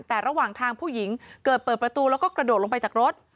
แต่ระหว่างทางผู้หญิงเกิดเปิดประตูแล้วก็กระโดดลงไปจากรถ